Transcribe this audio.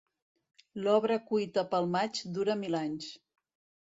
L'obra cuita pel maig dura mil anys.